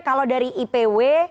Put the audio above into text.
kalau dari ipw